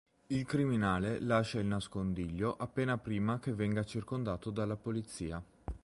Il criminale lascia il nascondiglio appena prima che venga circondato dalla polizia.